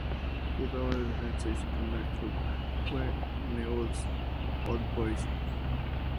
Jugaba de defensa y su primer club fue Newell's Old Boys.